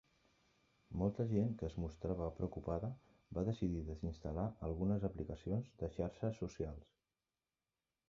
Molta gent que es mostrava preocupada va decidir desinstal·lar algunes aplicacions de xarxes socials.